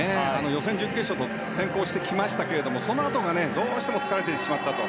予選、準決勝と先行してきましたけれどもそのあとがどうしても疲れてしまったと。